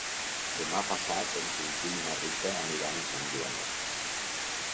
Demà passat en Quintí i na Rita aniran a Sant Joanet.